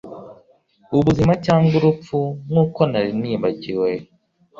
Ubuzima cyangwa urupfu nkuko nari nibagiwe